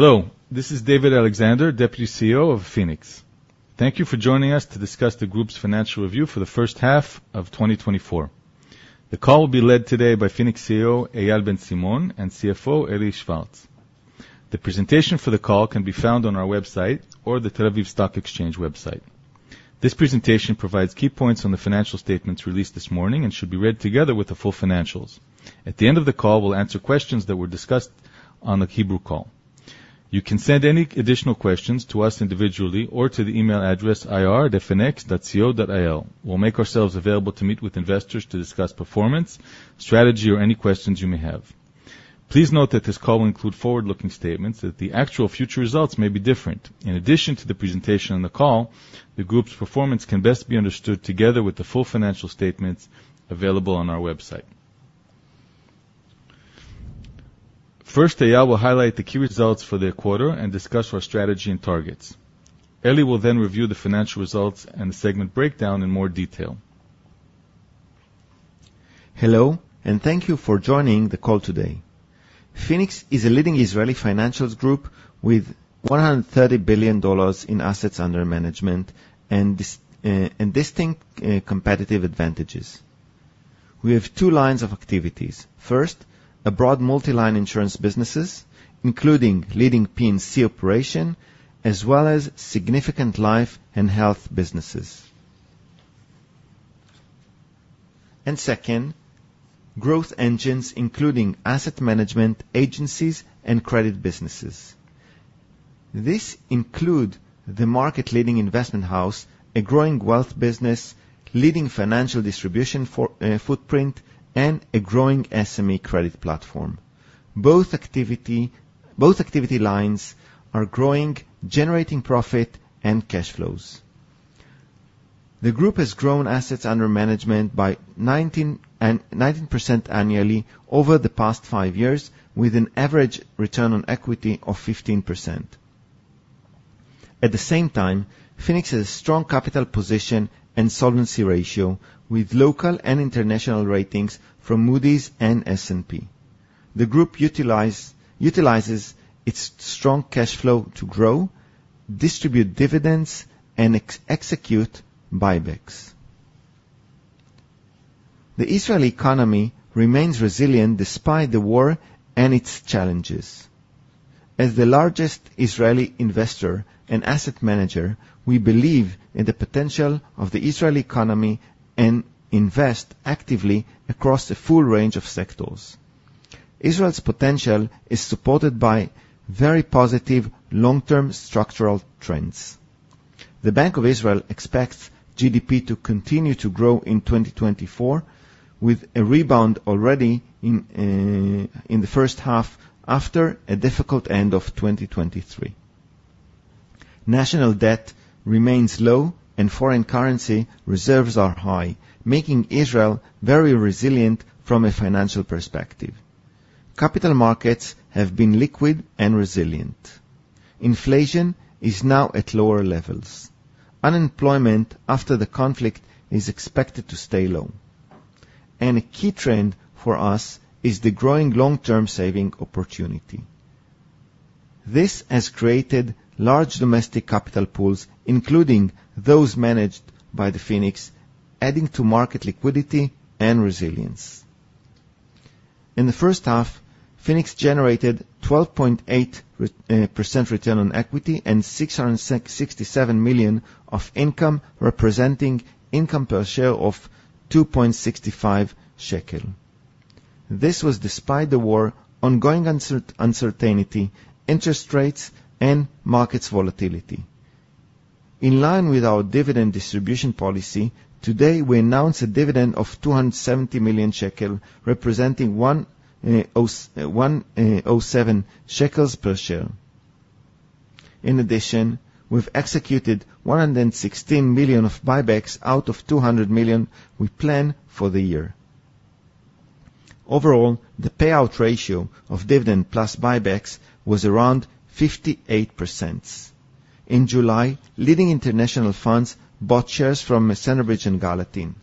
Hello, this is David Alexander, Deputy CEO of Phoenix. Thank you for joining us to discuss the group's financial review for the first half of 2024. The call will be led today by Phoenix CEO, Eyal Ben Simon, and CFO, Eli Schwartz. The presentation for the call can be found on our website or the Tel Aviv Stock Exchange website. This presentation provides key points on the financial statements released this morning and should be read together with the full financials. At the end of the call, we'll answer questions that were discussed on the Hebrew call. You can send any additional questions to us individually or to the email address, ir@phoenix.co.il. We'll make ourselves available to meet with investors to discuss performance, strategy, or any questions you may have. Please note that this call will include forward-looking statements that the actual future results may be different. In addition to the presentation on the call, the group's performance can best be understood together with the full financial statements available on our website. First, Eyal will highlight the key results for the quarter and discuss our strategy and targets. Eli will then review the financial results and the segment breakdown in more detail. Hello, and thank you for joining the call today. Phoenix is a leading Israeli financials group with ILS 130 billion in assets under management and distinct competitive advantages. We have two lines of activities. First, a broad multi-line insurance businesses, including leading P&C operation, as well as significant life and health businesses. Second, growth engines including asset management agencies and credit businesses. This include the market-leading investment house, a growing wealth business, leading financial distribution footprint, and a growing SME credit platform. Both activity lines are growing, generating profit and cash flows. The group has grown assets under management by 19% annually over the past five years, with an average return on equity of 15%. At the same time, Phoenix has a strong capital position and solvency ratio with local and international ratings from Moody's and S&P. The group utilizes its strong cash flow to grow, distribute dividends, and execute buybacks. The Israeli economy remains resilient despite the war and its challenges. As the largest Israeli investor and asset manager, we believe in the potential of the Israeli economy and invest actively across a full range of sectors. Israel's potential is supported by very positive long-term structural trends. The Bank of Israel expects GDP to continue to grow in 2024 with a rebound already in the first half after a difficult end of 2023. National debt remains low and foreign currency reserves are high, making Israel very resilient from a financial perspective. Capital markets have been liquid and resilient. Inflation is now at lower levels. Unemployment after the conflict is expected to stay low. A key trend for us is the growing long-term saving opportunity. This has created large domestic capital pools, including those managed by Phoenix, adding to market liquidity and resilience. In the first half, Phoenix generated 12.8% return on equity and 667 million of income, representing income per share of 2.65 shekel. This was despite the war, ongoing uncertainty, interest rates, and market volatility. In line with our dividend distribution policy, today, we announce a dividend of 270 million shekel, representing 1.07 shekels per share. In addition, we've executed 116 million of buybacks out of 200 million we plan for the year. Overall, the payout ratio of dividend plus buybacks was around 58%. In July, leading international funds bought shares from Centerbridge and Gallatin.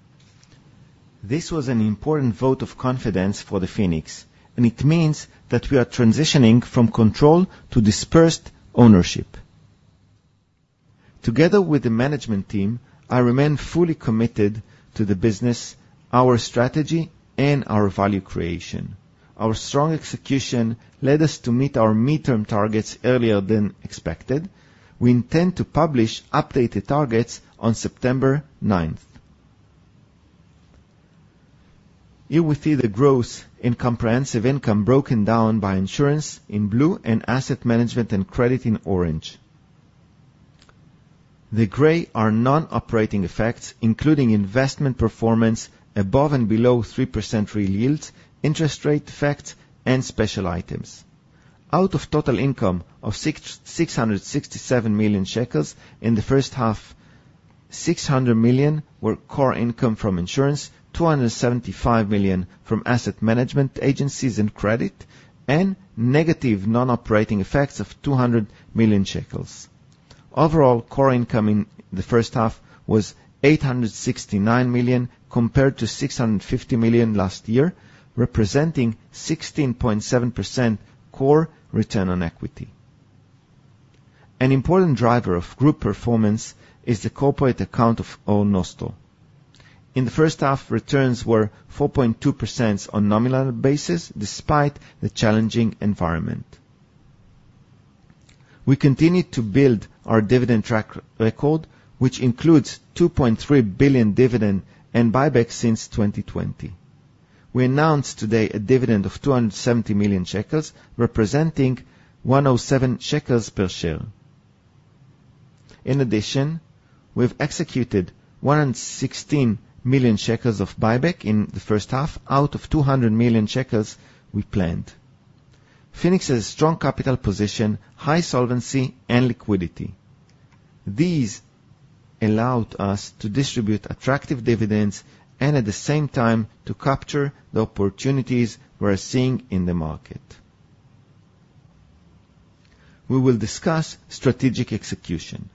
This was an important vote of confidence for Phoenix, it means we are transitioning from control to dispersed ownership. Together with the management team, I remain fully committed to the business, our strategy, and our value creation. Our strong execution led us to meet our midterm targets earlier than expected. We intend to publish updated targets on September 9th. Here we see the growth in comprehensive income broken down by insurance in blue and asset management and credit in orange. The gray are non-operating effects, including investment performance above and below 3% real yields, interest rate effects, and special items. Out of total income of 667 million shekels in the first half, 600 million were core income from insurance, 275 million from asset management agencies and credit, and negative non-operating effects of 200 million shekels. Overall core income in the first half was 869 million compared to 650 million last year, representing 16.7% core return on equity. An important driver of group performance is the corporate account of Nostro. In the first half, returns were 4.2% on nominal basis, despite the challenging environment. We continued to build our dividend track record, which includes 2.3 billion dividend and buyback since 2020. We announced today a dividend of 270 million shekels, representing 1.07 shekels per share. In addition, we've executed 116 million shekels of buyback in the first half, out of 200 million shekels we planned. Phoenix has strong capital position, high solvency, and liquidity. These allowed us to distribute attractive dividends and at the same time to capture the opportunities we're seeing in the market. We will discuss strategic execution.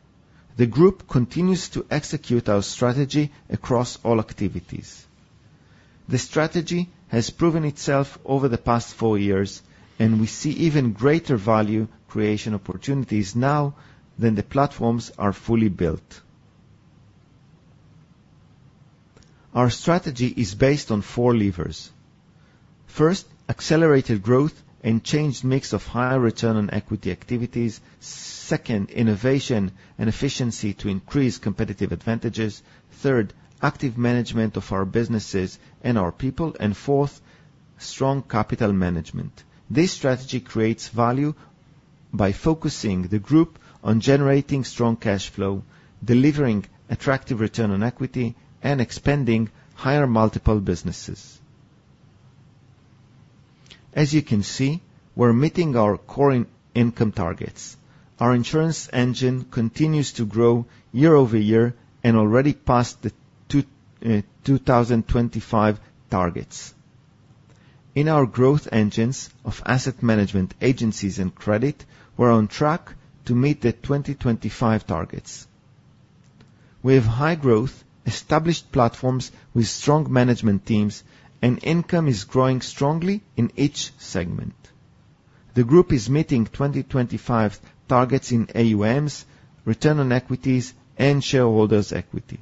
The group continues to execute our strategy across all activities. The strategy has proven itself over the past four years, we see even greater value creation opportunities now that the platforms are fully built. Our strategy is based on four levers. First, accelerated growth and changed mix of higher return on equity activities. Second, innovation and efficiency to increase competitive advantages. Third, active management of our businesses and our people. Fourth, strong capital management. This strategy creates value by focusing the group on generating strong cash flow, delivering attractive return on equity, and expanding higher multiple businesses. As you can see, we're meeting our core income targets. Our insurance engine continues to grow year-over-year and already passed the 2025 targets. In our growth engines of asset management agencies and credit, we're on track to meet the 2025 targets. We have high growth, established platforms with strong management teams, and income is growing strongly in each segment. The group is meeting 2025 targets in AUMs, return on equity, and shareholders' equity.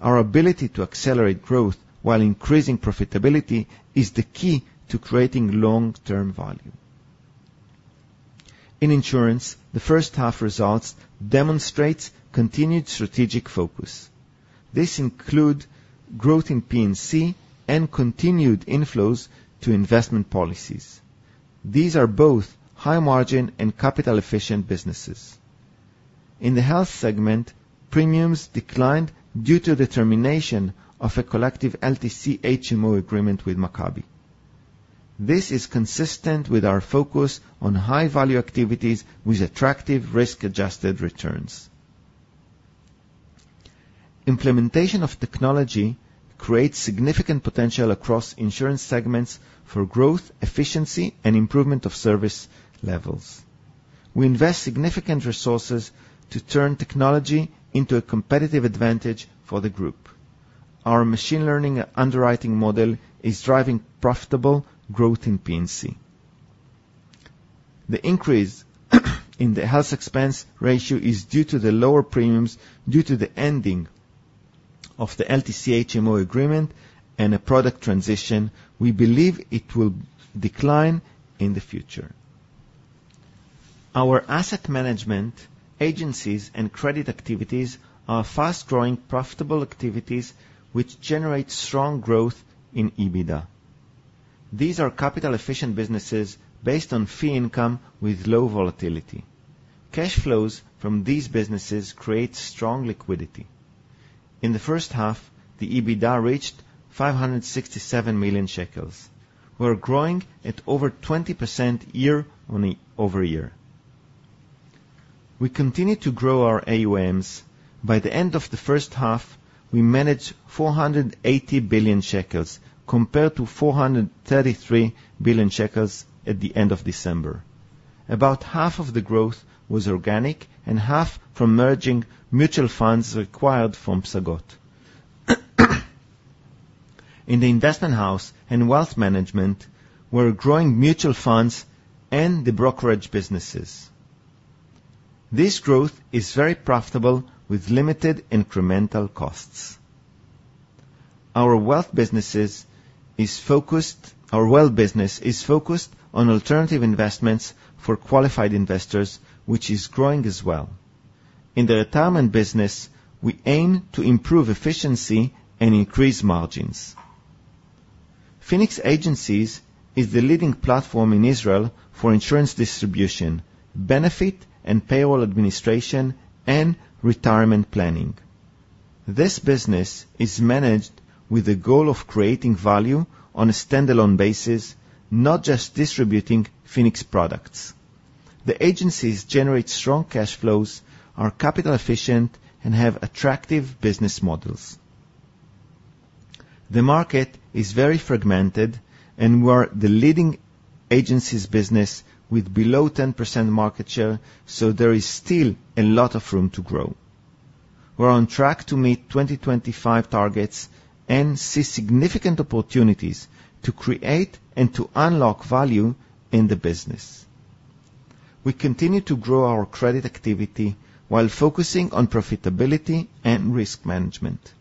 Our ability to accelerate growth while increasing profitability is the key to creating long-term value. In insurance, the first half results demonstrate continued strategic focus. This includes growth in P&C and continued inflows to investment policies. These are both high margin and capital efficient businesses. In the health segment, premiums declined due to the termination of a collective LTC HMO agreement with Maccabi. This is consistent with our focus on high value activities with attractive risk-adjusted returns. Implementation of technology creates significant potential across insurance segments for growth, efficiency, and improvement of service levels. We invest significant resources to turn technology into a competitive advantage for the group. Our machine learning underwriting model is driving profitable growth in P&C. The increase in the health expense ratio is due to the lower premiums due to the ending of the LTC HMO agreement and a product transition. We believe it will decline in the future. Our asset management agencies and credit activities are fast-growing, profitable activities which generate strong growth in EBITDA. These are capital efficient businesses based on fee income with low volatility. Cash flows from these businesses create strong liquidity. In the first half, the EBITDA reached 567 million shekels. We are growing at over 20% year-over-year. We continue to grow our AUMs. By the end of the first half, we managed 480 billion shekels compared to 433 billion shekels at the end of December. About half of the growth was organic and half from merging mutual funds acquired from Psagot. In the investment house and wealth management, we're growing mutual funds and the brokerage businesses. This growth is very profitable with limited incremental costs. Our wealth business is focused on alternative investments for qualified investors, which is growing as well. In the retirement business, we aim to improve efficiency and increase margins. Phoenix Agencies is the leading platform in Israel for insurance distribution, benefit and payroll administration, and retirement planning. This business is managed with the goal of creating value on a standalone basis, not just distributing Phoenix products. The agencies generate strong cash flows, are capital efficient, and have attractive business models. The market is very fragmented, and we are the leading agencies business with below 10% market share, so there is still a lot of room to grow. We're on track to meet 2025 targets and see significant opportunities to create and to unlock value in the business. We continue to grow our credit activity while focusing on profitability and risk management.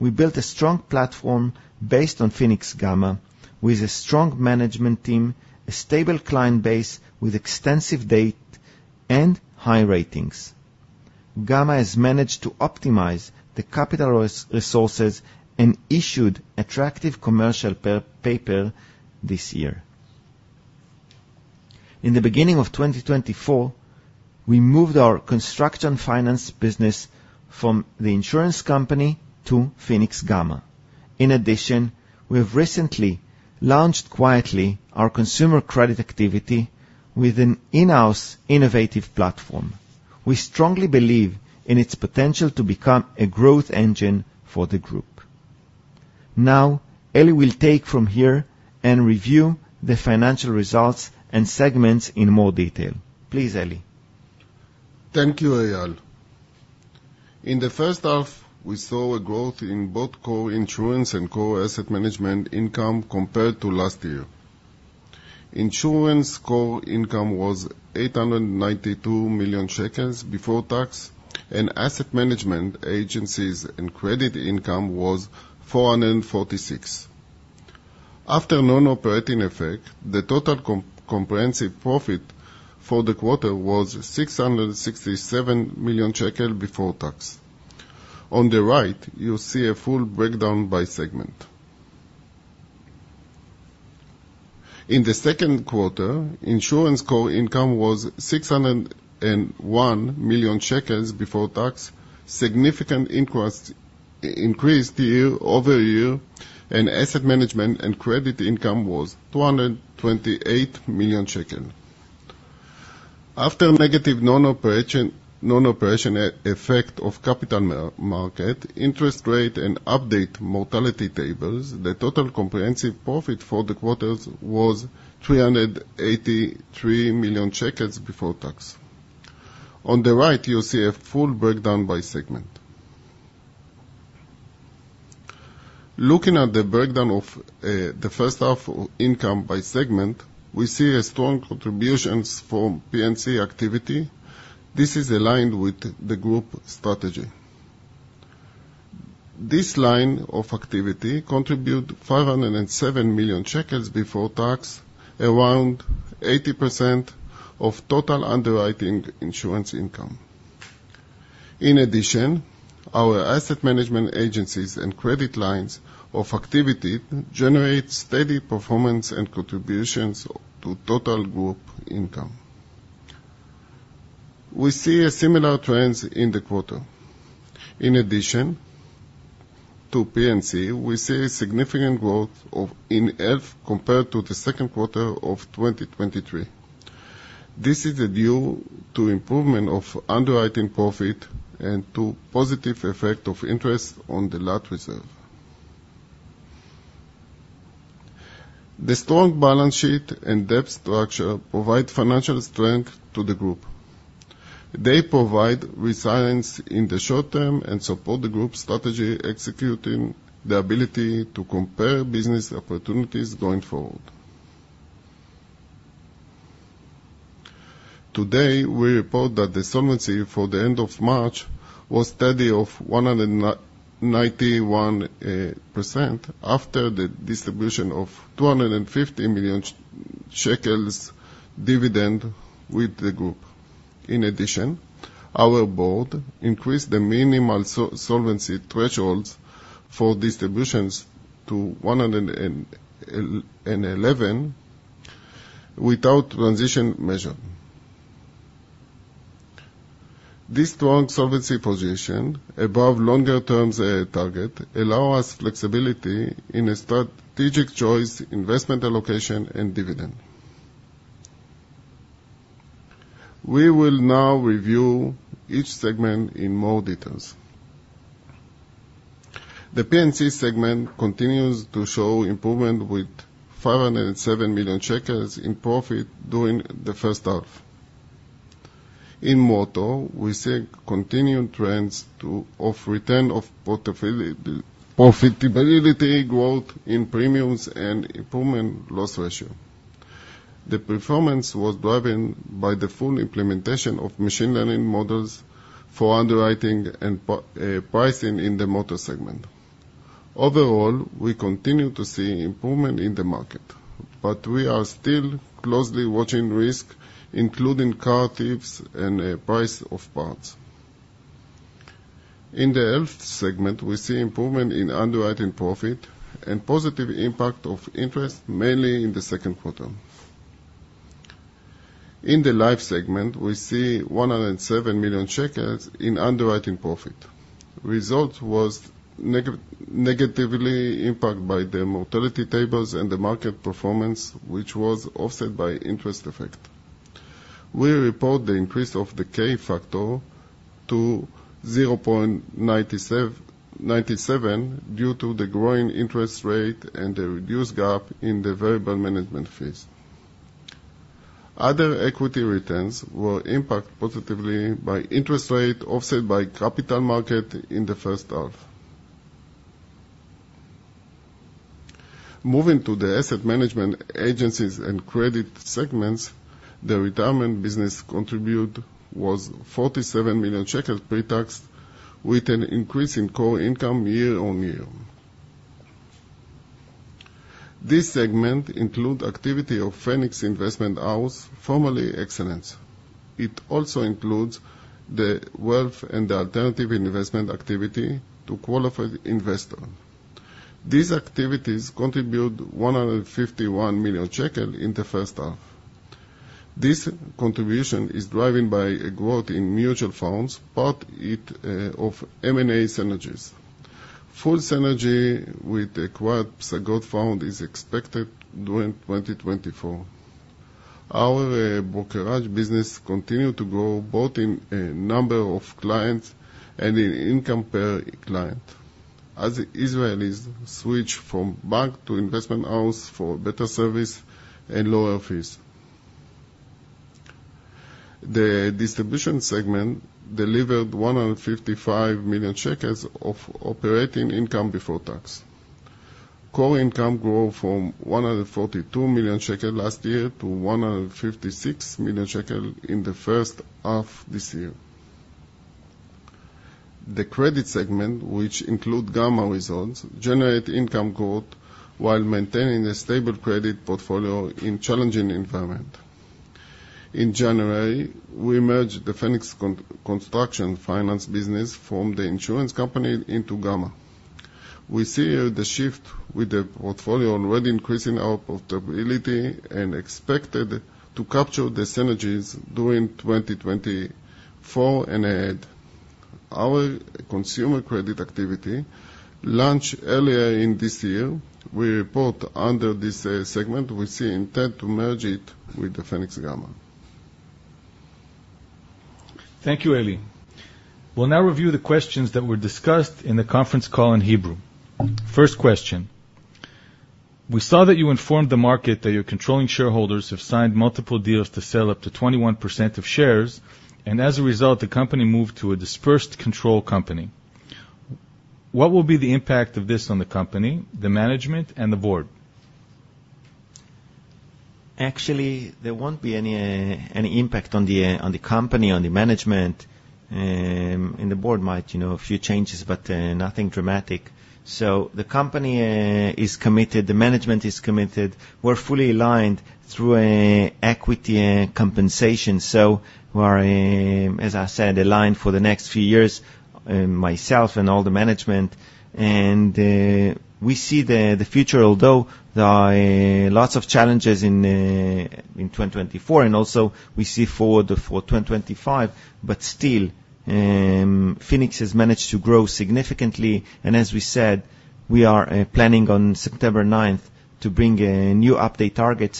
We built a strong platform based on Phoenix-Gama, with a strong management team, a stable client base with extensive data and high ratings. Gama has managed to optimize the capital resources and issued attractive commercial paper this year. In the beginning of 2024, we moved our construction finance business from the insurance company to Phoenix-Gama. In addition, we have recently launched quietly our consumer credit activity with an in-house innovative platform. We strongly believe in its potential to become a growth engine for the group. Eli will take from here and review the financial results and segments in more detail. Please, Eli. Thank you, Eyal. In the first half, we saw a growth in both core insurance and core asset management income compared to last year. Insurance core income was 892 million shekels before tax, and asset management agencies and credit income was 446 million. After non-operating effect, the total comprehensive profit for the quarter was 667 million shekel before tax. On the right, you see a full breakdown by segment. In the second quarter, insurance core income was 601 million shekels before tax, significant increase year-over-year, and asset management and credit income was 228 million shekels. After negative non-operating effect of capital market, interest rate, and update mortality tables, the total comprehensive profit for the quarter was 383 million shekels before tax. On the right, you see a full breakdown by segment. Looking at the breakdown of the first half income by segment, we see strong contributions from P&C activity. This is aligned with the group strategy. This line of activity contribute 507 million shekels before tax, around 80% of total underwriting insurance income. In addition, our asset management agencies and credit lines of activity generate steady performance and contributions to total group income. We see similar trends in the quarter. In addition to P&C, we see a significant growth in health compared to the second quarter of 2023. This is due to improvement of underwriting profit and to positive effect of interest on the LAT reserve. The strong balance sheet and debt structure provide financial strength to the group. They provide resilience in the short term and support the group strategy executing the ability to compare business opportunities going forward. Today, we report that the solvency for the end of March was steady of 191% after the distribution of 250 million shekels dividend within the group. In addition, our board increased the minimal solvency thresholds for distributions to 111% without transition measure. This strong solvency position above longer term target allow us flexibility in a strategic choice, investment allocation, and dividend. We will now review each segment in more details. The P&C segment continues to show improvement with 507 million shekels in profit during the first half. In motor, we see continued trends of return of profitability growth in premiums and improvement loss ratio. The performance was driven by the full implementation of machine learning models for underwriting and pricing in the motor segment. Overall, we continue to see improvement in the market, but we are still closely watching risk, including car thieves and price of parts. In the health segment, we see improvement in underwriting profit and positive impact of interest, mainly in the second quarter. In the life segment, we see 107 million shekels in underwriting profit. Result was negatively impacted by the mortality tables and the market performance, which was offset by interest effect. We report the increase of the K-factor to 0.97 due to the growing interest rate and the reduced gap in the variable management fees. Other equity returns were impacted positively by interest rate, offset by capital market in the first half. Moving to the asset management agencies and credit segments, the retirement business contribute was 47 million shekels pre-tax, with an increase in core income year-over-year. This segment include activity of Phoenix Investment House, formerly Excellence. It also includes the wealth and the alternative investment activity to qualified investor. These activities contribute 151 million shekel in the first half. This contribution is driven by a growth in mutual funds, part of M&A synergies. Full synergy with acquired Psagot Fund is expected during 2024. Our brokerage business continued to grow both in number of clients and in income per client, as Israelis switch from bank to investment house for better service and lower fees. The distribution segment delivered 155 million shekels of operating income before tax. Core income grow from 142 million shekel last year to 156 million shekel in the first half this year. The credit segment, which include Gama results, generate income growth while maintaining a stable credit portfolio in challenging environment. In January, we merged the Phoenix Construction Finance business from the insurance company into Gama. We see here the shift with the portfolio already increasing our profitability and expected to capture the synergies during 2024 and ahead. Our consumer credit activity launched earlier in this year. We report under this segment. We see intent to merge it with the Phoenix Gama. Thank you, Eli. We'll now review the questions that were discussed in the conference call in Hebrew. First question. We saw that you informed the market that your controlling shareholders have signed multiple deals to sell up to 21% of shares, and as a result, the company moved to a dispersed control company. What will be the impact of this on the company, the management, and the board? Actually, there won't be any impact on the company, on the management, and the board might, a few changes, but nothing dramatic. The company is committed. The management is committed. We're fully aligned through equity and compensation. We're, as I said, aligned for the next few years, myself and all the management. We see the future, although there are lots of challenges in 2024, and also we see forward for 2025, but still, Phoenix has managed to grow significantly. As we said, we are planning on September 9th to bring a new update target.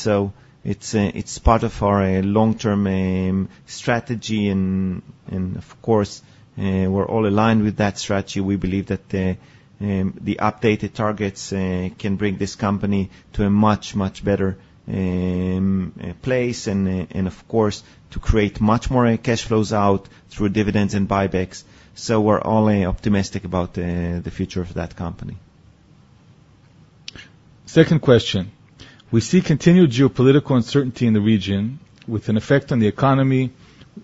It's part of our long-term strategy. Of course, we're all aligned with that strategy. We believe that the updated targets can bring this company to a much, much better place and, of course, to create much more cash flows out through dividends and buybacks. We're all optimistic about the future of that company. Second question. We see continued geopolitical uncertainty in the region with an effect on the economy,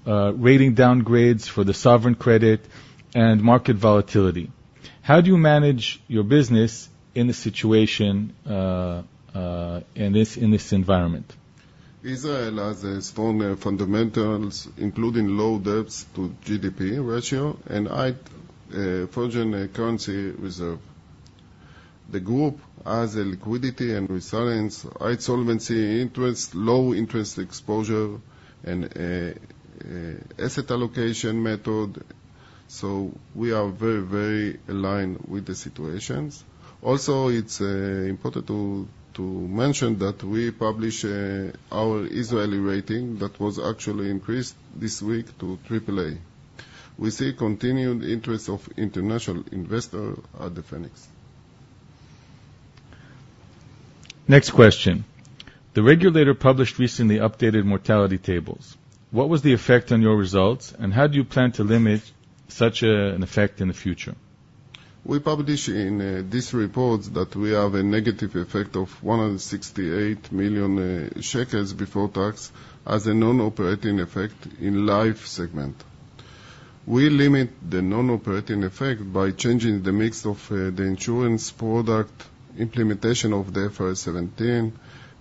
rating downgrades for the sovereign credit, and market volatility. How do you manage your business in this situation, in this environment? Israel has strong fundamentals, including low debts to GDP ratio and high foreign currency reserve. The group has a liquidity and resilience, high solvency interest, low interest exposure, and asset allocation method. We are very aligned with the situations. Also, it's important to mention that we publish our Israeli rating that was actually increased this week to AAA. We see continued interest of international investor at the Phoenix. Next question. The regulator published recently updated mortality tables. What was the effect on your results, and how do you plan to limit such an effect in the future? We publish in this report that we have a negative effect of 168 million shekels before tax as a non-operating effect in life segment. We limit the non-operating effect by changing the mix of the insurance product, implementation of the IFRS 17,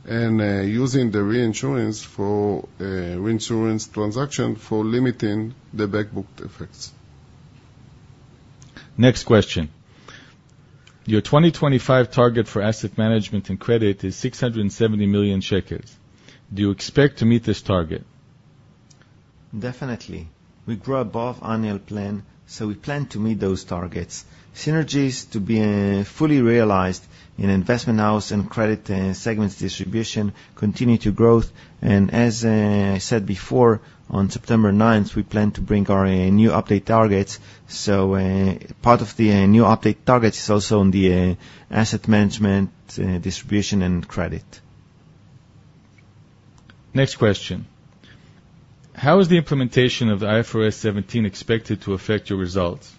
and using the reinsurance transaction for limiting the back book effects. Next question. Your 2025 target for asset management and credit is 670 million shekels. Do you expect to meet this target? Definitely. We grew above annual plan. We plan to meet those targets. Synergies to be fully realized in investment house and credit segments distribution continue to growth. As I said before, on September 9th, we plan to bring our new update targets. Part of the new update targets is also on the asset management, distribution, and credit. Next question. How is the implementation of the IFRS 17 expected to affect your results?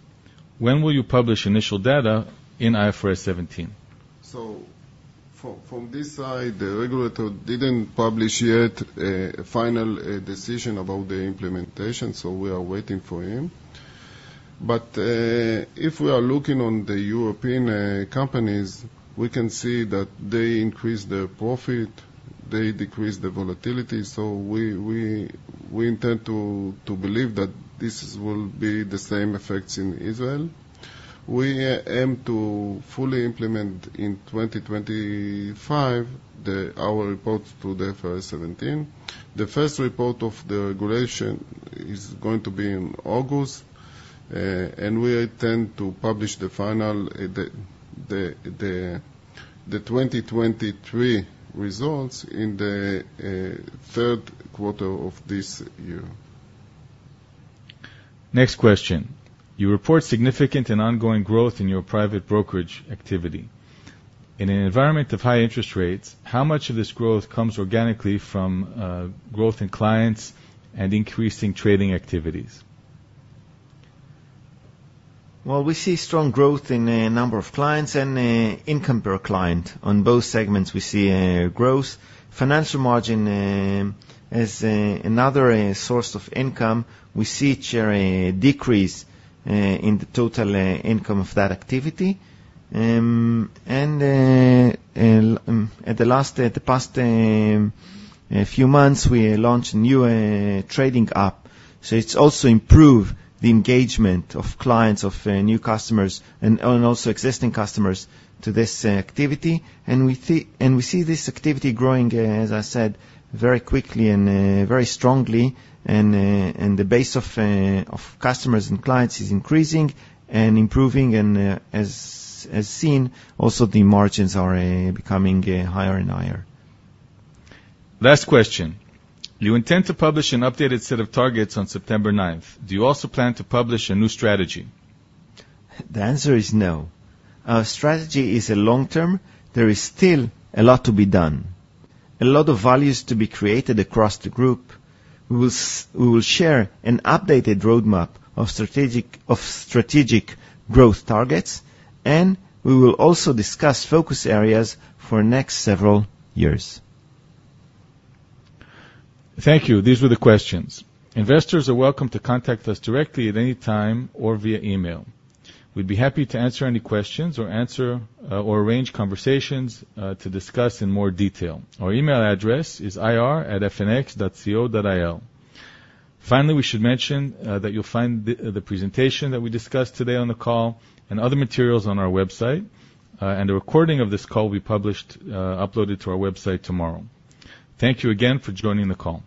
When will you publish initial data in IFRS 17? From this side, the regulator didn't publish yet a final decision about the implementation. We are waiting for him. If we are looking on the European companies, we can see that they increase their profit, they decrease the volatility. We intend to believe that this will be the same effects in Israel. We aim to fully implement in 2025 our report to the IFRS 17. The first report of the regulation is going to be in August, and we intend to publish the final, the 2023 results in the third quarter of this year. Next question. You report significant and ongoing growth in your private brokerage activity. In an environment of high interest rates, how much of this growth comes organically from growth in clients and increasing trading activities? Well, we see strong growth in number of clients and income per client. On both segments, we see a growth. Financial margin is another source of income. We see it share a decrease in the total income of that activity. At the past few months, we launched new trading app. It's also improved the engagement of clients, of new customers and also existing customers to this activity. We see this activity growing, as I said, very quickly and very strongly, and the base of customers and clients is increasing and improving. As seen, also the margins are becoming higher and higher. Last question. You intend to publish an updated set of targets on September ninth. Do you also plan to publish a new strategy? The answer is no. Our strategy is a long-term. There is still a lot to be done, a lot of values to be created across the group. We will share an updated roadmap of strategic growth targets, and we will also discuss focus areas for next several years. Thank you. These were the questions. Investors are welcome to contact us directly at any time or via email. We'd be happy to answer any questions or arrange conversations to discuss in more detail. Our email address is ir@fnx.co.il. Finally, we should mention that you'll find the presentation that we discussed today on the call and other materials on our website. A recording of this call will be uploaded to our website tomorrow. Thank you again for joining the call.